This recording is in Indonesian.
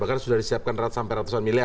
bahkan sudah disiapkan sampai ratusan miliar